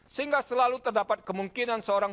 sehingga selalu terdapat kemungkinan seorang